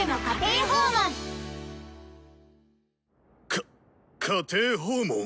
かっ家庭訪問